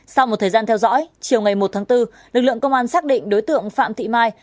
sau một thời gian theo dõi chiều ngày một tháng bốn lực lượng công an xác định đối tượng phạm thị mai